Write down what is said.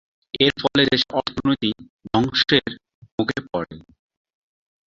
এর ফলে দেশের অর্থনীতি ধ্বংসের মুখে পড়ে।